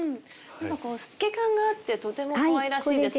透け感があってとてもかわいらしいですね。